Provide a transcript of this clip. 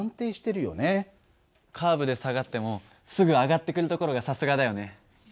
カーブで下がってもすぐ上がってくるところがさすがだよね。